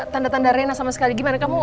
tanda tanda rena sama sekali gimana kamu